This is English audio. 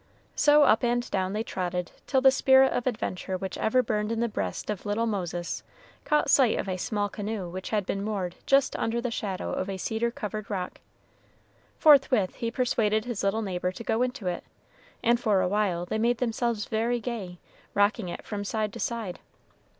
So up and down they trotted, till the spirit of adventure which ever burned in the breast of little Moses caught sight of a small canoe which had been moored just under the shadow of a cedar covered rock. Forthwith he persuaded his little neighbor to go into it, and for a while they made themselves very gay, rocking it from side to side.